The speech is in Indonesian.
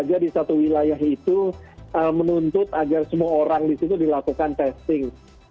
sehingga di satu wilayah itu menuntut agar semua orang di situ dilakukan testing